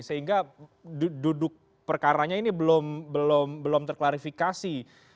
sehingga duduk perkaranya ini belum terklarifikasi